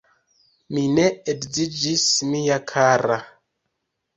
Mi ne edziniĝis, mia kara!